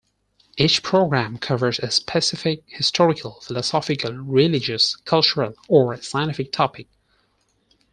Each programme covers a specific historical, philosophical, religious, cultural or scientific topic.